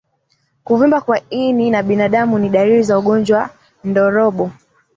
Kuvimba kwa ini na bandama ni dalili za ugonjwa wa ndorobo